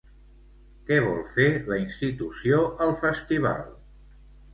Què vol fer la institució al festival?